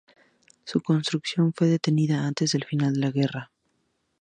Su construcción fue detenida antes del final de la guerra.